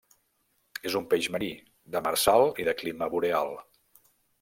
És un peix marí, demersal i de clima boreal.